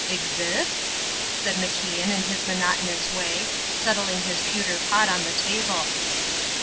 "Exists?" said MacIan in his monotonous way, settling his pewter pot on the table.